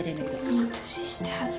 いい年して恥ず。